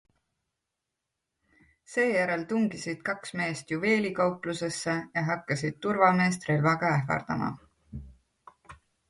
Seejärel tungisid kaks meest juveelikauplusesse ja hakkasid turvameest relvaga ähvardama.